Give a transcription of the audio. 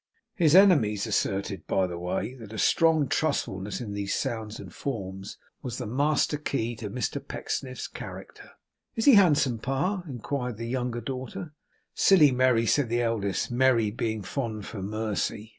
His enemies asserted, by the way, that a strong trustfulness in sounds and forms was the master key to Mr Pecksniff's character. 'Is he handsome, Pa?' inquired the younger daughter. 'Silly Merry!' said the eldest: Merry being fond for Mercy.